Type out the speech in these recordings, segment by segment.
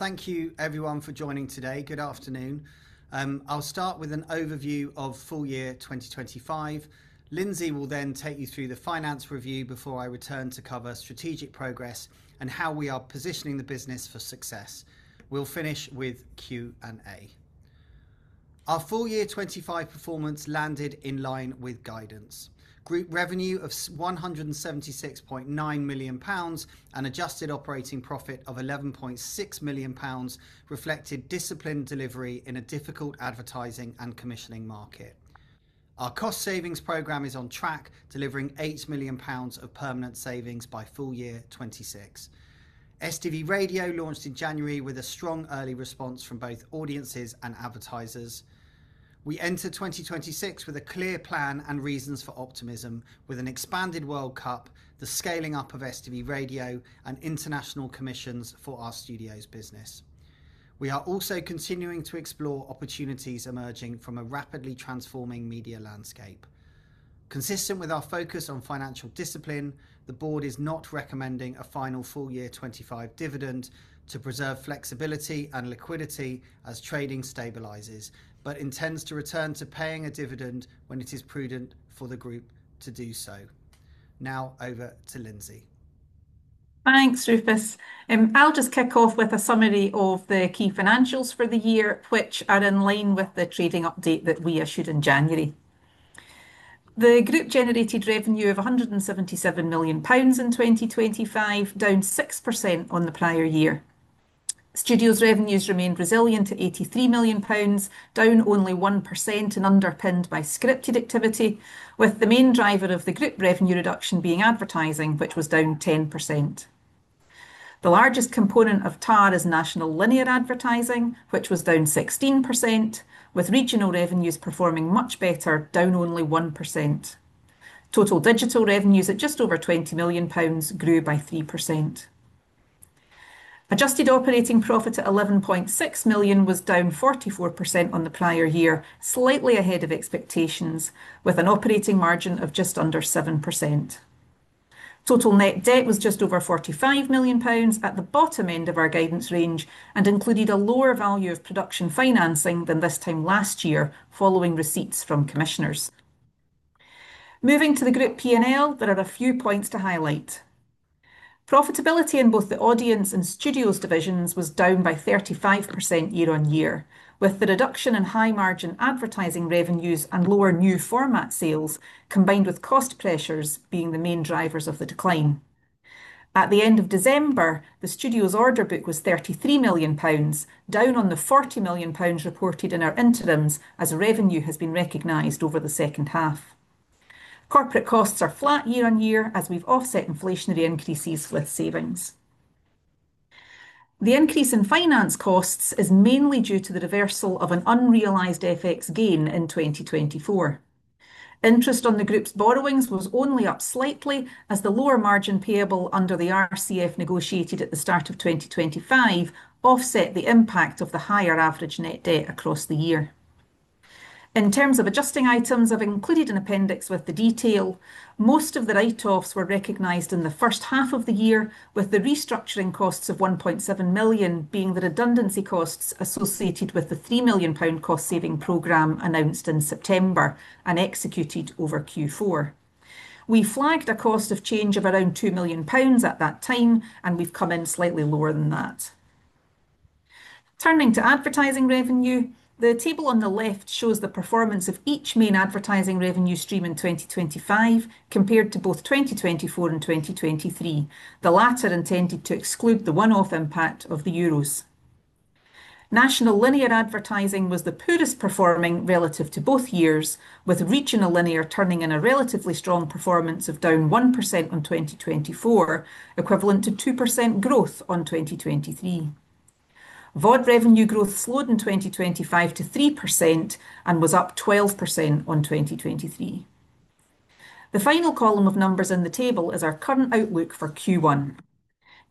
Thank you everyone for joining today. Good afternoon. I'll start with an overview of full year 2025. Lindsay will then take you through the finance review before I return to cover strategic progress and how we are positioning the business for success. We'll finish with Q&A. Our full year 2025 performance landed in line with guidance. Group revenue of 176.9 million pounds and adjusted operating profit of 11.6 million pounds reflected disciplined delivery in a difficult advertising and commissioning market. Our cost savings program is on track, delivering 8 million pounds of permanent savings by full year 2026. STV Radio launched in January with a strong early response from both audiences and advertisers. We enter 2026 with a clear plan and reasons for optimism, with an expanded World Cup, the scaling up of STV Radio and international commissions for our studios business. We are also continuing to explore opportunities emerging from a rapidly transforming media landscape. Consistent with our focus on financial discipline, the board is not recommending a final full year 2025 dividend to preserve flexibility and liquidity as trading stabilizes, but intends to return to paying a dividend when it is prudent for the group to do so. Now over to Lindsay. Thanks, Rufus. I'll just kick off with a summary of the key financials for the year, which are in line with the trading update that we issued in January. The group generated revenue of 177 million pounds in 2025, down 6% on the prior year. Studios revenues remained resilient at 83 million pounds, down only 1% and underpinned by scripted activity, with the main driver of the group revenue reduction being advertising, which was down 10%. The largest component of TAR is national linear advertising, which was down 16%, with regional revenues performing much better, down only 1%. Total digital revenues at just over 20 million pounds grew by 3%. Adjusted operating profit at 11.6 million was down 44% on the prior year, slightly ahead of expectations with an operating margin of just under 7%. Total net debt was just over 45 million pounds at the bottom end of our guidance range, and included a lower value of production financing than this time last year following receipts from commissioners. Moving to the Group P&L, there are a few points to highlight. Profitability in both the Audience and Studios divisions was down 35% year-on-year, with the reduction in high margin advertising revenues and lower new format sales combined with cost pressures being the main drivers of the decline. At the end of December, the Studios' order book was 33 million pounds, down on the 40 million pounds reported in our interims as revenue has been recognized over the second half. Corporate costs are flat year-on-year as we've offset inflationary increases with savings. The increase in finance costs is mainly due to the reversal of an unrealized FX gain in 2024. Interest on the group's borrowings was only up slightly as the lower margin payable under the RCF negotiated at the start of 2025 offset the impact of the higher average net debt across the year. In terms of adjusting items, I've included an appendix with the detail. Most of the write-offs were recognized in the first half of the year, with the restructuring costs of 1.7 million being the redundancy costs associated with the 3 million pound cost-saving program announced in September and executed over Q4. We flagged a cost of change of around 2 million pounds at that time, and we've come in slightly lower than that. Turning to advertising revenue, the table on the left shows the performance of each main advertising revenue stream in 2025 compared to both 2024 and 2023. The latter intended to exclude the one-off impact of the euros. National linear advertising was the poorest performing relative to both years, with regional linear turning in a relatively strong performance of down 1% on 2024, equivalent to 2% growth on 2023. VOD revenue growth slowed in 2025 to 3% and was up 12% on 2023. The final column of numbers in the table is our current outlook for Q1.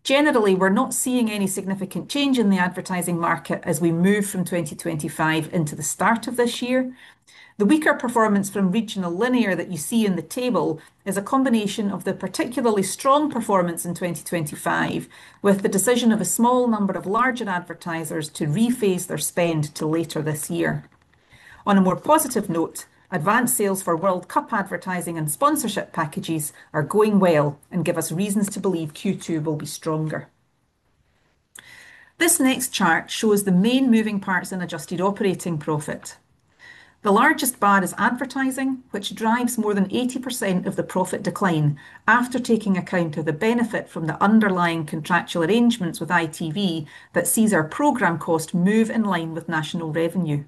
Generally, we're not seeing any significant change in the advertising market as we move from 2025 into the start of this year. The weaker performance from regional linear that you see in the table is a combination of the particularly strong performance in 2025, with the decision of a small number of larger advertisers to rephase their spend to later this year. On a more positive note, advanced sales for World Cup advertising and sponsorship packages are going well and give us reasons to believe Q2 will be stronger. This next chart shows the main moving parts in adjusted operating profit. The largest bar is advertising, which drives more than 80% of the profit decline after taking account of the benefit from the underlying contractual arrangements with ITV that sees our program cost move in line with national revenue.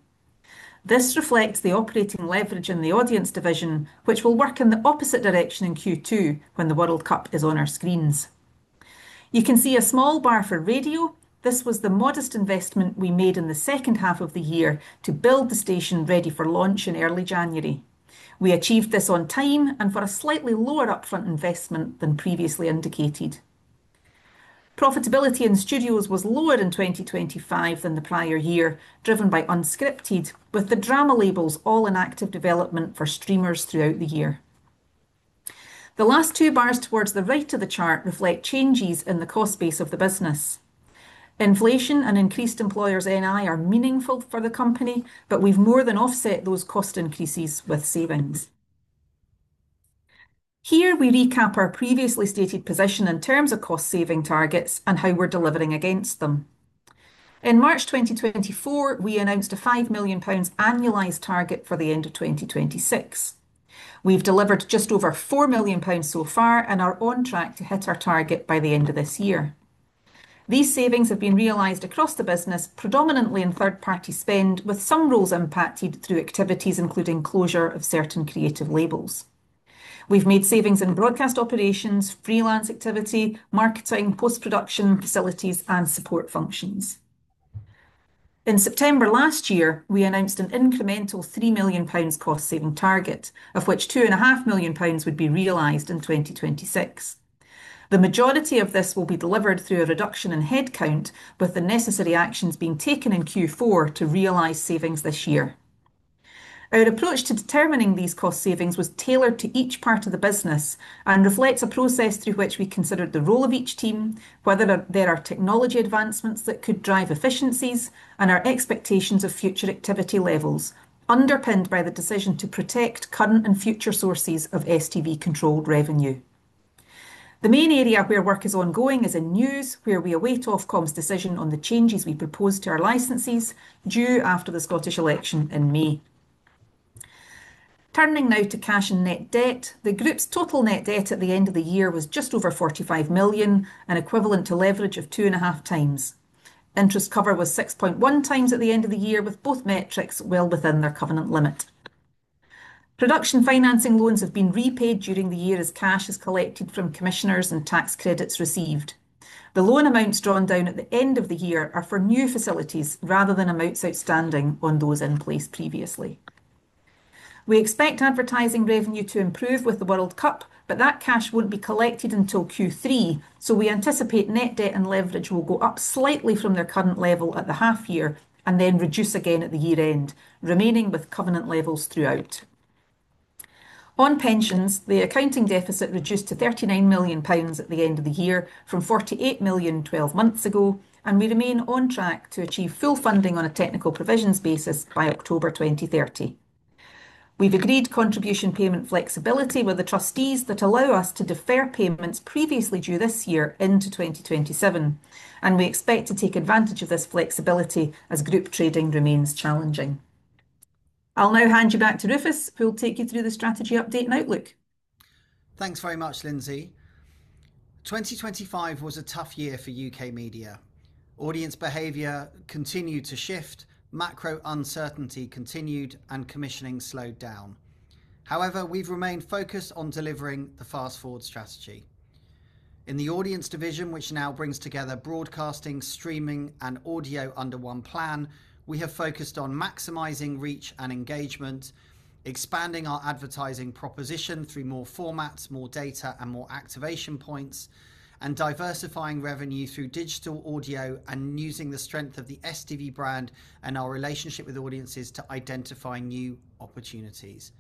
This reflects the operating leverage in the audience division, which will work in the opposite direction in Q2 when the World Cup is on our screens. You can see a small bar for radio. This was the modest investment we made in the second half of the year to build the station ready for launch in early January. We achieved this on time and for a slightly lower upfront investment than previously indicated. Profitability in studios was lower in 2025 than the prior year, driven by unscripted, with the drama labels all in active development for streamers throughout the year. The last two bars towards the right of the chart reflect changes in the cost base of the business. Inflation and increased employers' NI are meaningful for the company, but we've more than offset those cost increases with savings. Here we recap our previously stated position in terms of cost-saving targets and how we're delivering against them. In March 2024, we announced a 5 million pounds annualized target for the end of 2026. We've delivered just over 4 million pounds so far and are on track to hit our target by the end of this year. These savings have been realized across the business, predominantly in third-party spend, with some roles impacted through activities, including closure of certain creative labels. We've made savings in broadcast operations, freelance activity, marketing, post-production facilities, and support functions. In September last year, we announced an incremental 3 million pounds cost-saving target, of which 2.5 million pounds would be realized in 2026. The majority of this will be delivered through a reduction in headcount, with the necessary actions being taken in Q4 to realize savings this year. Our approach to determining these cost savings was tailored to each part of the business and reflects a process through which we considered the role of each team, whether there are technology advancements that could drive efficiencies, and our expectations of future activity levels, underpinned by the decision to protect current and future sources of STV-controlled revenue. The main area where work is ongoing is in news, where we await Ofcom's decision on the changes we propose to our licensees, due after the Scottish election in May. Turning now to cash and net debt. The group's total net debt at the end of the year was just over 45 million and equivalent to leverage of 2.5x. Interest cover was 6.1x at the end of the year, with both metrics well within their covenant limit. Production financing loans have been repaid during the year as cash is collected from commissioners and tax credits received. The loan amounts drawn down at the end of the year are for new facilities rather than amounts outstanding on those in place previously. We expect advertising revenue to improve with the World Cup, but that cash won't be collected until Q3, so we anticipate net debt and leverage will go up slightly from their current level at the half year and then reduce again at the year-end, remaining with covenant levels throughout. On pensions, the accounting deficit reduced to 39 million pounds at the end of the year from 48 million 12 months ago, and we remain on track to achieve full funding on a technical provisions basis by October 2030. We've agreed contribution payment flexibility with the trustees that allow us to defer payments previously due this year into 2027, and we expect to take advantage of this flexibility as group trading remains challenging. I'll now hand you back to Rufus, who will take you through the strategy update and outlook. Thanks very much, Lindsay. 2025 was a tough year for U.K. media. Audience behavior continued to shift, macro uncertainty continued, and commissioning slowed down. However, we've remained focused on delivering the FastFwd strategy. In the Audience division, which now brings together broadcasting, streaming, and audio under one plan, we have focused on maximizing reach and engagement, expanding our advertising proposition through more formats, more data, and more activation points, and diversifying revenue through digital audio and using the strength of the STV brand and our relationship with audiences to identify new opportunities.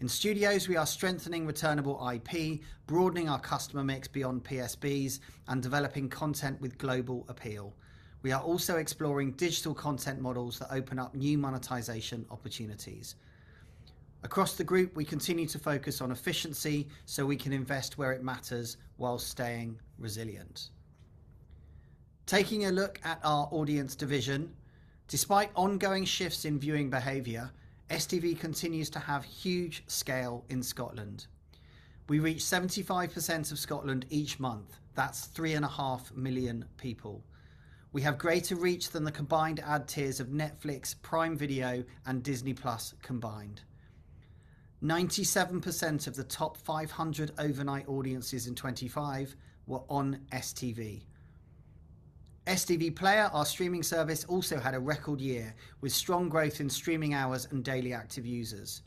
In Studios, we are strengthening returnable IP, broadening our customer mix beyond PSBs, and developing content with global appeal. We are also exploring digital content models that open up new monetization opportunities. Across the group, we continue to focus on efficiency, so we can invest where it matters while staying resilient. Taking a look at our Audience division. Despite ongoing shifts in viewing behavior, STV continues to have huge scale in Scotland. We reach 75% of Scotland each month. That's 3.5 million people. We have greater reach than the combined ad tiers of Netflix, Prime Video, and Disney+ combined. 97% of the top 500 overnight audiences in 2025 were on STV. STV Player, our streaming service, also had a record year, with strong growth in streaming hours and daily active users.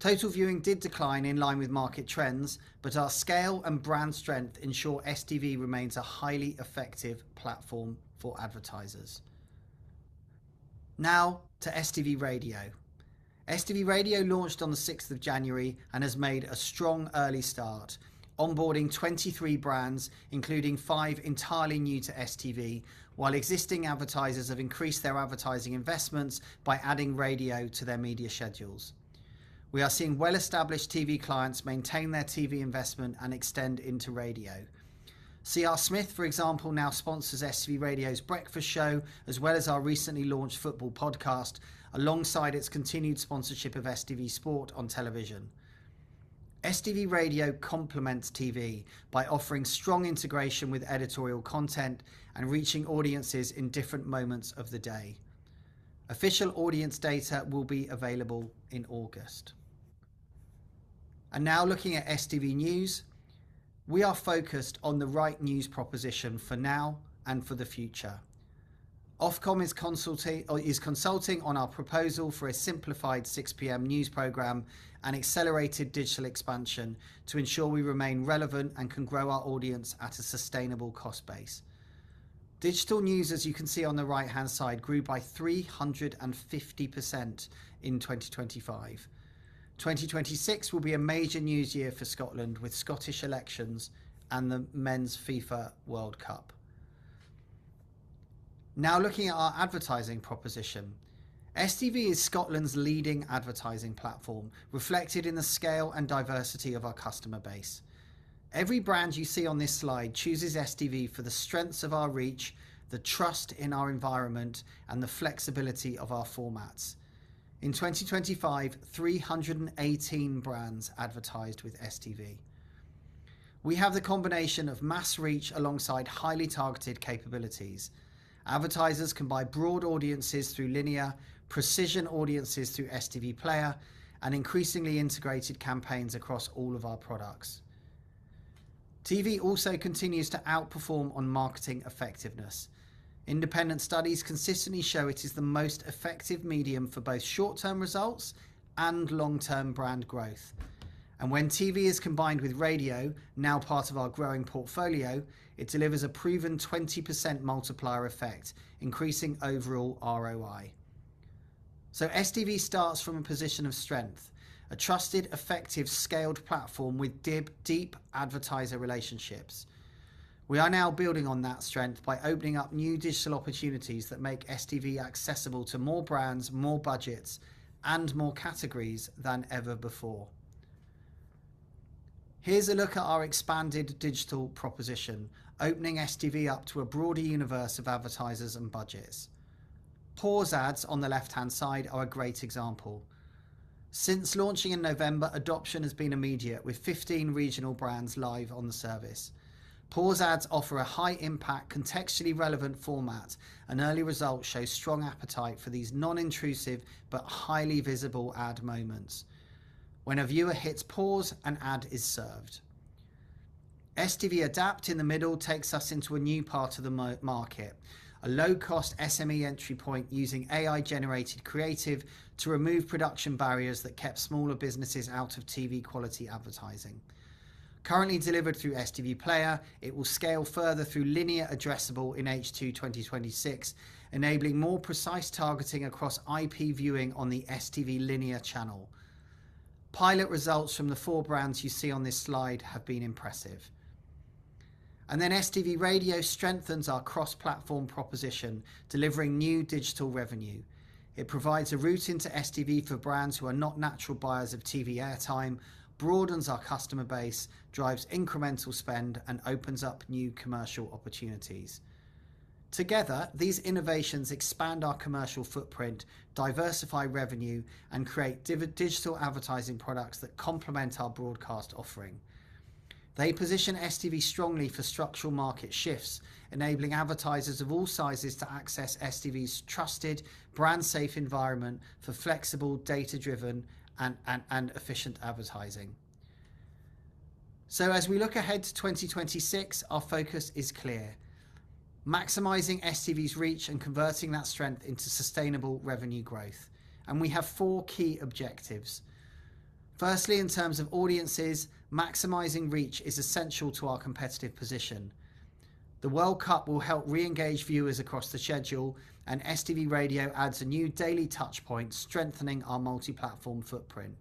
Total viewing did decline in line with market trends, but our scale and brand strength ensure STV remains a highly effective platform for advertisers. Now to STV Radio. STV Radio launched on the sixth of January and has made a strong early start, onboarding 23 brands, including five entirely new to STV, while existing advertisers have increased their advertising investments by adding radio to their media schedules. We are seeing well-established TV clients maintain their TV investment and extend into radio. CR Smith, for example, now sponsors STV Radio's breakfast show, as well as our recently launched football podcast, alongside its continued sponsorship of STV Sport on television. STV Radio complements TV by offering strong integration with editorial content and reaching audiences in different moments of the day. Official audience data will be available in August. Now looking at STV News. We are focused on the right news proposition for now and for the future. Ofcom is consulting on our proposal for a simplified 6:00 P.M. news program and accelerated digital expansion to ensure we remain relevant and can grow our audience at a sustainable cost base. Digital news, as you can see on the right-hand side, grew by 350% in 2025. 2026 will be a major news year for Scotland with Scottish elections and the Men's FIFA World Cup. Now looking at our advertising proposition. STV is Scotland's leading advertising platform, reflected in the scale and diversity of our customer base. Every brand you see on this slide chooses STV for the strengths of our reach, the trust in our environment, and the flexibility of our formats. In 2025, 318 brands advertised with STV. We have the combination of mass reach alongside highly targeted capabilities. Advertisers can buy broad audiences through linear, precision audiences through STV Player, and increasingly integrated campaigns across all of our products. TV also continues to outperform on marketing effectiveness. Independent studies consistently show it is the most effective medium for both short-term results and long-term brand growth. When TV is combined with radio, now part of our growing portfolio, it delivers a proven 20% multiplier effect, increasing overall ROI. STV starts from a position of strength, a trusted, effective, scaled platform with deep advertiser relationships. We are now building on that strength by opening up new digital opportunities that make STV accessible to more brands, more budgets, and more categories than ever before. Here's a look at our expanded digital proposition, opening STV up to a broader universe of advertisers and budgets. Pause ads on the left-hand side are a great example. Since launching in November, adoption has been immediate, with 15 regional brands live on the service. Pause ads offer a high-impact, contextually relevant format, and early results show strong appetite for these non-intrusive but highly visible ad moments. When a viewer hits pause, an ad is served. STV ADapt in the middle takes us into a new part of the market, a low-cost SME entry point using AI-generated creative to remove production barriers that kept smaller businesses out of TV-quality advertising. Currently delivered through STV Player, it will scale further through linear addressable in H2 2026, enabling more precise targeting across IP viewing on the STV linear channel. Pilot results from the four brands you see on this slide have been impressive. STV Radio strengthens our cross-platform proposition, delivering new digital revenue. It provides a route into STV for brands who are not natural buyers of TV airtime, broadens our customer base, drives incremental spend, and opens up new commercial opportunities. Together, these innovations expand our commercial footprint, diversify revenue, and create digital advertising products that complement our broadcast offering. They position STV strongly for structural market shifts, enabling advertisers of all sizes to access STV's trusted, brand-safe environment for flexible, data-driven, and efficient advertising. As we look ahead to 2026, our focus is clear, maximizing STV's reach and converting that strength into sustainable revenue growth, and we have four key objectives. Firstly, in terms of audiences, maximizing reach is essential to our competitive position. The World Cup will help re-engage viewers across the schedule, and STV Radio adds a new daily touch point, strengthening our multi-platform footprint.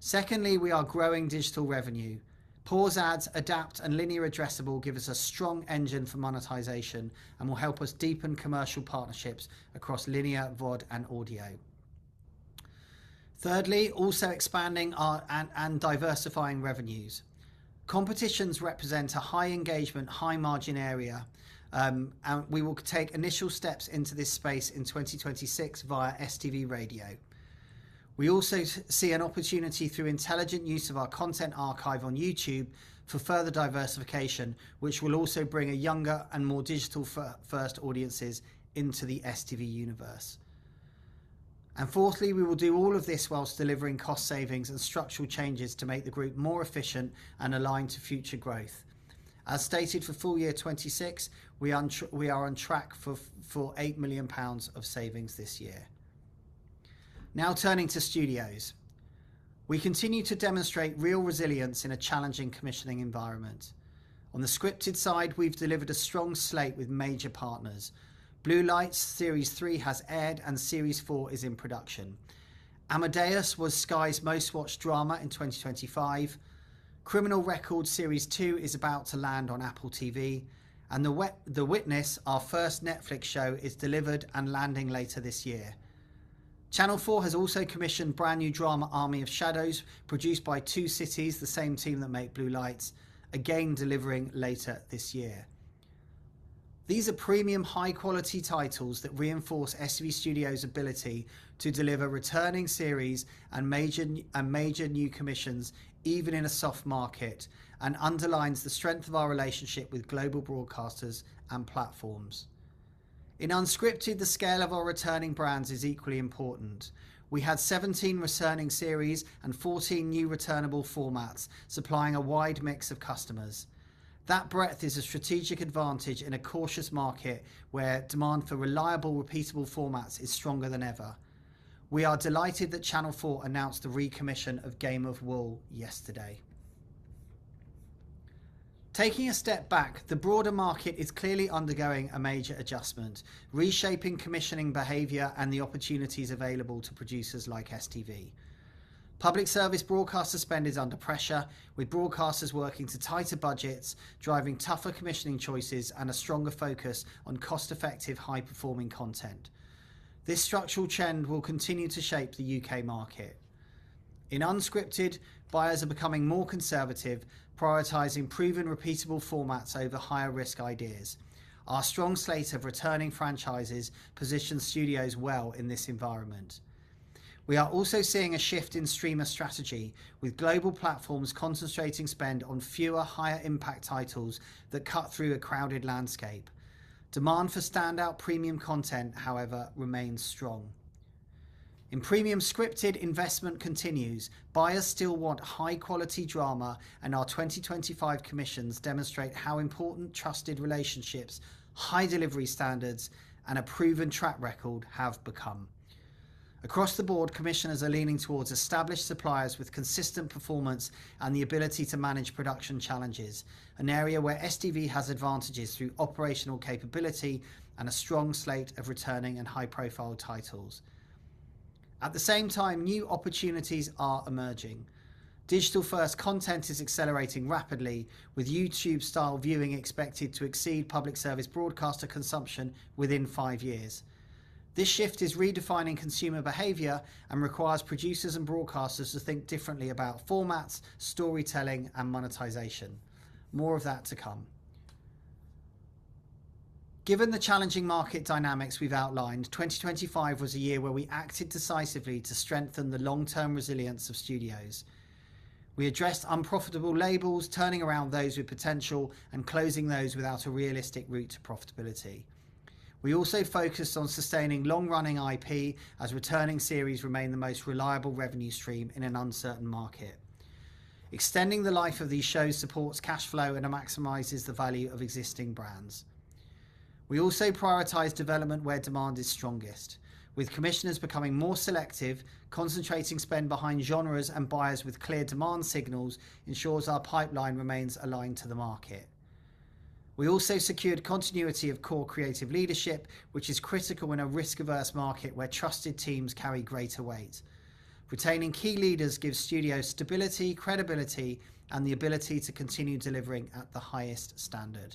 Secondly, we are growing digital revenue. Pause ads, ADapt, and linear addressable give us a strong engine for monetization and will help us deepen commercial partnerships across linear, VOD, and audio. Thirdly, expanding and diversifying revenues. Competitions represent a high-engagement, high-margin area, and we will take initial steps into this space in 2026 via STV Radio. We also see an opportunity through intelligent use of our content archive on YouTube for further diversification, which will also bring a younger and more digital first audiences into the STV universe. Fourthly, we will do all of this while delivering cost savings and structural changes to make the group more efficient and aligned to future growth. As stated for full year 2026, we are on track for 8 million pounds of savings this year. Now turning to studios. We continue to demonstrate real resilience in a challenging commissioning environment. On the scripted side, we've delivered a strong slate with major partners. Blue Lights Series 3 has aired, and Series 4 is in production. Amadeus was Sky's most-watched drama in 2025. Criminal Record Series 2 is about to land on Apple TV, and The Witness, our first Netflix show, is delivered and landing later this year. Channel 4 has also commissioned brand-new drama Army of Shadows, produced by Two Cities, the same team that make Blue Lights, again delivering later this year. These are premium high-quality titles that reinforce STV Studios' ability to deliver returning series and major new commissions, even in a soft market, and underlines the strength of our relationship with global broadcasters and platforms. In unscripted, the scale of our returning brands is equally important. We had 17 returning series and 14 new returnable formats, supplying a wide mix of customers. That breadth is a strategic advantage in a cautious market, where demand for reliable, repeatable formats is stronger than ever. We are delighted that Channel 4 announced the recommission of Game of Wool yesterday. Taking a step back, the broader market is clearly undergoing a major adjustment, reshaping commissioning behavior and the opportunities available to producers like STV. Public service broadcaster spend is under pressure, with broadcasters working to tighter budgets, driving tougher commissioning choices and a stronger focus on cost-effective, high-performing content. This structural trend will continue to shape the U.K. market. In unscripted, buyers are becoming more conservative, prioritizing proven repeatable formats over higher risk ideas. Our strong slate of returning franchises positions studios well in this environment. We are also seeing a shift in streamer strategy, with global platforms concentrating spend on fewer higher impact titles that cut through a crowded landscape. Demand for standout premium content, however, remains strong. In premium scripted, investment continues. Buyers still want high-quality drama, and our 2025 commissions demonstrate how important trusted relationships, high delivery standards, and a proven track record have become. Across the board, commissioners are leaning towards established suppliers with consistent performance and the ability to manage production challenges, an area where STV has advantages through operational capability and a strong slate of returning and high-profile titles. At the same time, new opportunities are emerging. Digital-first content is accelerating rapidly, with YouTube-style viewing expected to exceed public service broadcaster consumption within five years. This shift is redefining consumer behavior and requires producers and broadcasters to think differently about formats, storytelling, and monetization. More of that to come. Given the challenging market dynamics we've outlined, 2025 was a year where we acted decisively to strengthen the long-term resilience of studios. We addressed unprofitable labels, turning around those with potential and closing those without a realistic route to profitability. We also focused on sustaining long-running IP as returning series remain the most reliable revenue stream in an uncertain market. Extending the life of these shows supports cash flow and maximizes the value of existing brands. We also prioritize development where demand is strongest. With commissioners becoming more selective, concentrating spend behind genres and buyers with clear demand signals ensures our pipeline remains aligned to the market. We also secured continuity of core creative leadership, which is critical in a risk-averse market where trusted teams carry greater weight. Retaining key leaders gives studios stability, credibility, and the ability to continue delivering at the highest standard.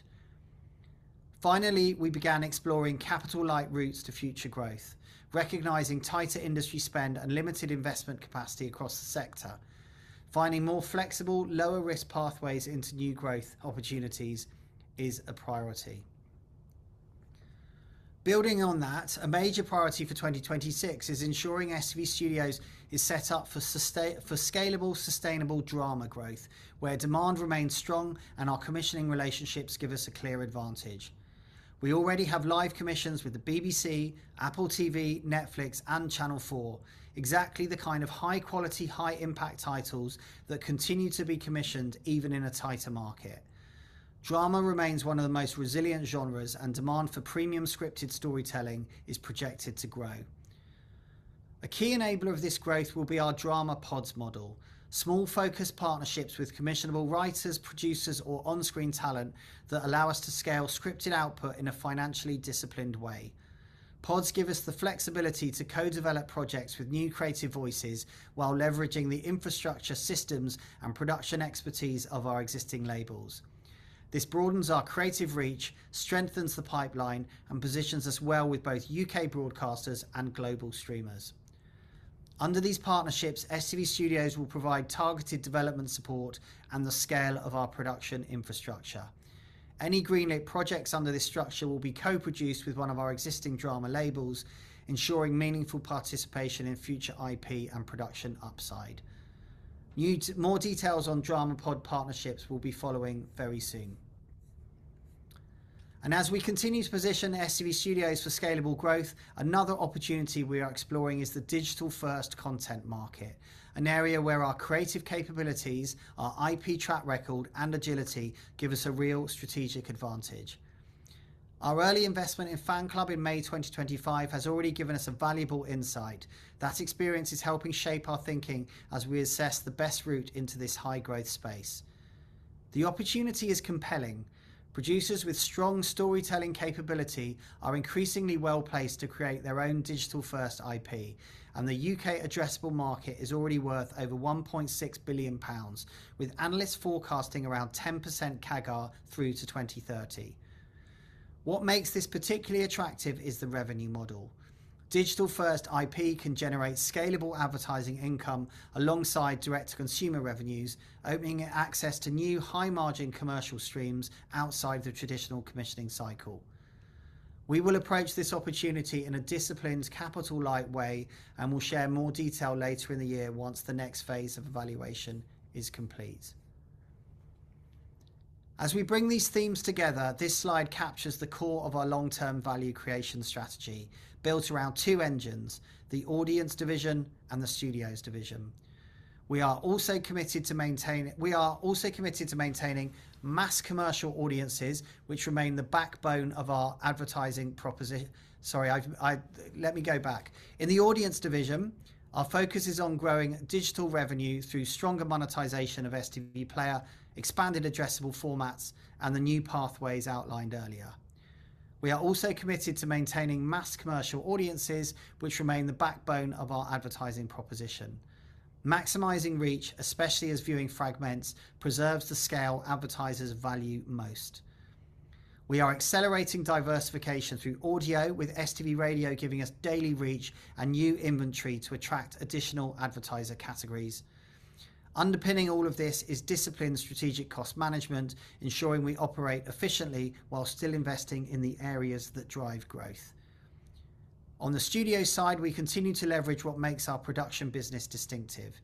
Finally, we began exploring capital-light routes to future growth, recognizing tighter industry spend and limited investment capacity across the sector. Finding more flexible, lower risk pathways into new growth opportunities is a priority. Building on that, a major priority for 2026 is ensuring STV Studios is set up for scalable, sustainable drama growth, where demand remains strong and our commissioning relationships give us a clear advantage. We already have live commissions with the BBC, Apple TV, Netflix, and Channel 4, exactly the kind of high-quality, high-impact titles that continue to be commissioned even in a tighter market. Drama remains one of the most resilient genres, and demand for premium scripted storytelling is projected to grow. A key enabler of this growth will be our drama pods model. Small, focused partnerships with commissionable writers, producers, or on-screen talent that allow us to scale scripted output in a financially disciplined way. Pods give us the flexibility to co-develop projects with new creative voices while leveraging the infrastructure systems and production expertise of our existing labels. This broadens our creative reach, strengthens the pipeline, and positions us well with both U.K. broadcasters and global streamers. Under these partnerships, STV Studios will provide targeted development support and the scale of our production infrastructure. Any greenlit projects under this structure will be co-produced with one of our existing drama labels, ensuring meaningful participation in future IP and production upside. More details on drama pod partnerships will be following very soon. As we continue to position STV Studios for scalable growth, another opportunity we are exploring is the digital-first content market, an area where our creative capabilities, our IP track record, and agility give us a real strategic advantage. Our early investment in Fan Club in May 2025 has already given us a valuable insight. That experience is helping shape our thinking as we assess the best route into this high-growth space. The opportunity is compelling. Producers with strong storytelling capability are increasingly well-placed to create their own digital-first IP, and the U.K. addressable market is already worth over 1.6 billion pounds, with analysts forecasting around 10% CAGR through to 2030. What makes this particularly attractive is the revenue model. Digital-first IP can generate scalable advertising income alongside direct-to-consumer revenues, opening access to new high-margin commercial streams outside the traditional commissioning cycle. We will approach this opportunity in a disciplined, capital-light way and will share more detail later in the year once the next phase of evaluation is complete. As we bring these themes together, this slide captures the core of our long-term value creation strategy, built around two engines, the audience division and the studios division. In the audience division, our focus is on growing digital revenue through stronger monetization of STV Player, expanded addressable formats, and the new pathways outlined earlier. We are also committed to maintaining mass commercial audiences, which remain the backbone of our advertising proposition. Maximizing reach, especially as viewing fragments, preserves the scale advertisers value most. We are accelerating diversification through audio, with STV Radio giving us daily reach and new inventory to attract additional advertiser categories. Underpinning all of this is disciplined strategic cost management, ensuring we operate efficiently while still investing in the areas that drive growth. On the studio side, we continue to leverage what makes our production business distinctive.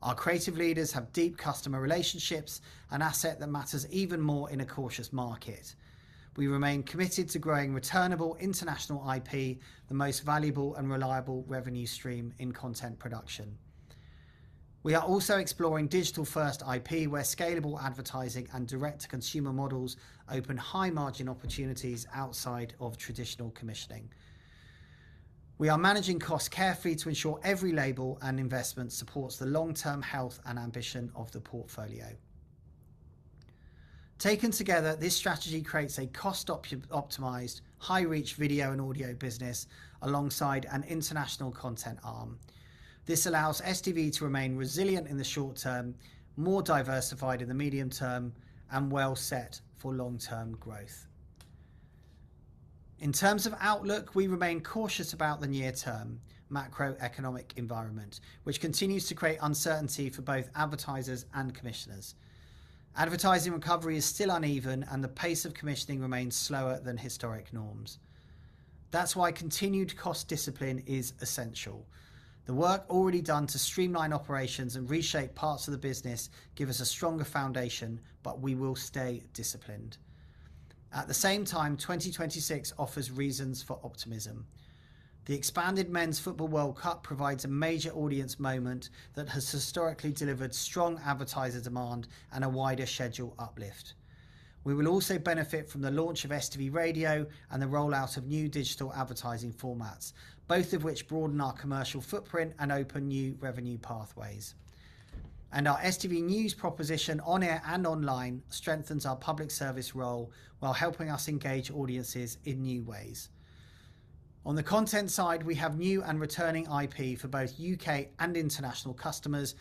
Our creative leaders have deep customer relationships, an asset that matters even more in a cautious market. We remain committed to growing returnable international IP, the most valuable and reliable revenue stream in content production. We are also exploring digital-first IP, where scalable advertising and direct-to-consumer models open high margin opportunities outside of traditional commissioning. We are managing costs carefully to ensure every label and investment supports the long-term health and ambition of the portfolio. Taken together, this strategy creates a cost-optimized, high-reach video and audio business alongside an international content arm. This allows STV to remain resilient in the short term, more diversified in the medium term, and well set for long-term growth. In terms of outlook, we remain cautious about the near-term macroeconomic environment, which continues to create uncertainty for both advertisers and commissioners. Advertising recovery is still uneven, and the pace of commissioning remains slower than historic norms. That's why continued cost discipline is essential. The work already done to streamline operations and reshape parts of the business give us a stronger foundation, but we will stay disciplined. At the same time, 2026 offers reasons for optimism. The expanded Men's FIFA World Cup provides a major audience moment that has historically delivered strong advertiser demand and a wider schedule uplift. We will also benefit from the launch of STV Radio and the rollout of new digital advertising formats, both of which broaden our commercial footprint and open new revenue pathways. Our STV News proposition on air and online strengthens our public service role while helping us engage audiences in new ways. On the content side, we have new and returning IP for both U.K. and international customers,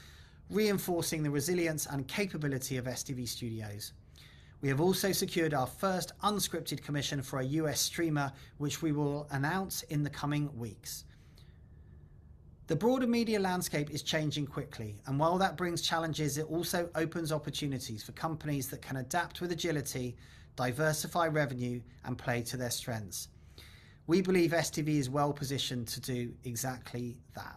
reinforcing the resilience and capability of STV Studios. We have also secured our first unscripted commission for a U.S. streamer, which we will announce in the coming weeks. The broader media landscape is changing quickly, and while that brings challenges, it also opens opportunities for companies that can adapt with agility, diversify revenue, and play to their strengths. We believe STV is well-positioned to do exactly that.